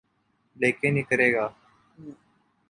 لیکن یہ کرے گا۔